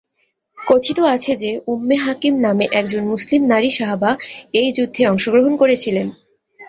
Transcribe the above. কথিত আছে যে উম্মে হাকিম নামে একজন মুসলিম নারী সাহাবা এই যুদ্ধে অংশগ্রহণ ছিলেন।